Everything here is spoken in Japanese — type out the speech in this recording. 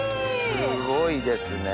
すごいですね。